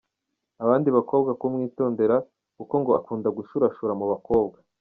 abandi bakobwa kumwitondera kuko ngo akunda gushurashura mu bakobwa.